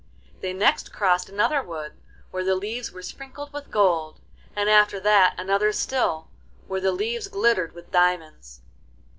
They next crossed another wood where the leaves were sprinkled with gold, and after that another still, where the leaves glittered with diamonds.